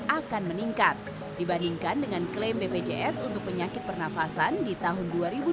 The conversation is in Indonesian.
akan meningkat dibandingkan dengan klaim bpjs untuk penyakit pernafasan di tahun dua ribu dua puluh